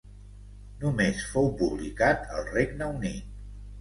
Només fou publicat al Regne Unit.